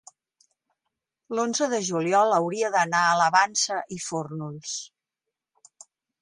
l'onze de juliol hauria d'anar a la Vansa i Fórnols.